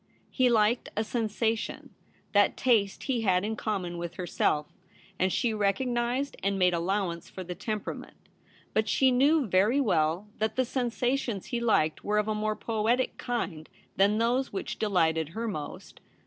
He liked a sensa tion — that taste he had in common with her self; and she recognised and made allowance for the temperament. But she knew very MARTS RECEPTION. 259 well that the sensations he liked were of a more poetic kind than those which delighted her most.